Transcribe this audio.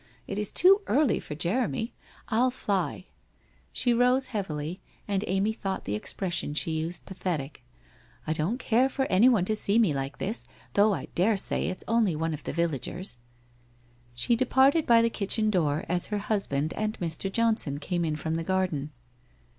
It is too early for Jeremy ! I'll fly !' She rose heavily and Amy thought the expression she used pathetic, ' I don't care for anyone to see me like this, though I daresay it's only one of the villagers/ She departed by the kitchen door as her husband and Mr. Johnson came in from the garden.